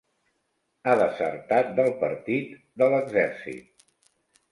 Ha desertat del partit, de l'exèrcit.